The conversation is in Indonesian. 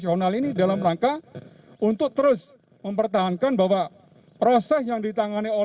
selamat sore rekan rekan